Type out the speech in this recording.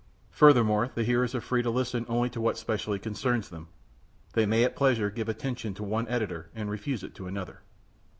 Furthermore, the hearers are free to listen only to what specially concerns them. They may at pleasure give attention to one editor and refuse it to another.